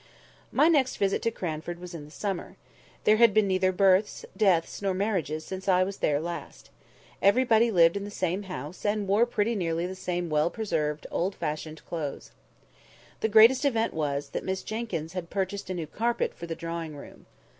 My next visit to Cranford was in the summer. There had been neither births, deaths, nor marriages since I was there last. Everybody lived in the same house, and wore pretty nearly the same well preserved, old fashioned clothes. The greatest event was, that Miss Jenkyns had purchased a new carpet for the drawing room.